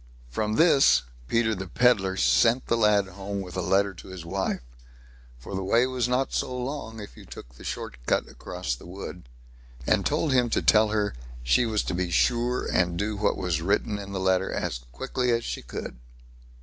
From this Peter the Pedlar sent the lad home with a letter to his wife, for the way was not so long if you took the short cut across the wood, and told him to tell her she was to be sure and do what was written in the letter as quickly as she could.